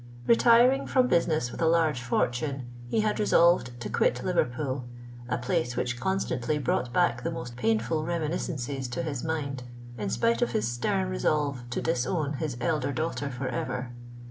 Retiring from business with a large fortune, he had resolved to quit Liverpool—a place which constantly brought back the most painful reminiscences to his mind, in spite of his stern resolve to disown his elder daughter for ever.